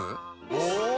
お！